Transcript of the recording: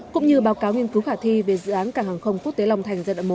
cũng như báo cáo nghiên cứu khả thi về dự án cảng hàng không quốc tế long thành giai đoạn một